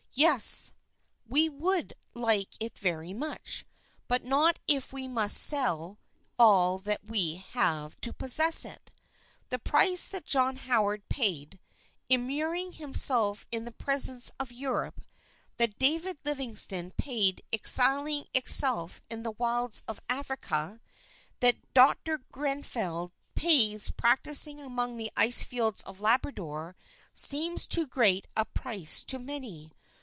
Yes ! we would like it very much ; but not if we must sell all that we have to possess it. The price that John Howard paid, immuring himself in the prisons of Europe, that David Livingston paid exiling himself in the wilds of Africa, that Dr. Grenfell pays practising among the ice fields of Labrador, seems too great a price to many.